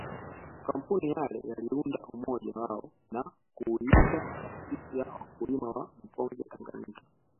Makampuni yale yaliunda umoja wao na kuuita taasisi ya wakulima wa mkonge Tanganyika